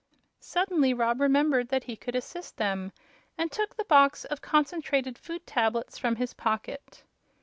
Suddenly Rob remembered that he could assist them, and took the box of concentrated food tablets from his pocket.